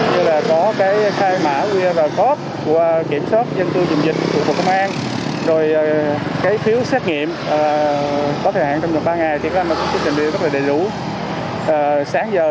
với là có cái sai mã qr code của kiểm soát dân tư dùng dịch của cộng an rồi cái phiếu xét nghiệm có thời hạn trong vòng ba ngày